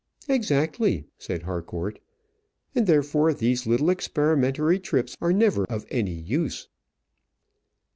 "Exactly," said Harcourt; "and therefore these little experimentary trips are never of any use."